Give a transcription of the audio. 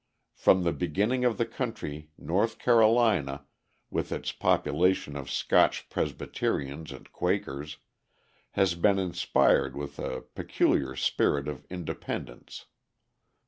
From the beginning of the country North Carolina, with its population of Scotch Presbyterians and Quakers, has been inspired with a peculiar spirit of independence.